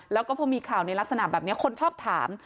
แล้วก็พอมีข่าวในลักษณะแบบนี้คนชอบถาม